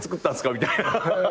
みたいな。